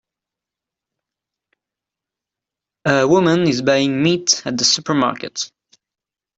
A woman is buying meat at a supermarket.